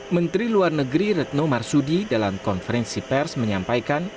menteri luar negeri retno marsudi dalam konferensi pers menyampaikan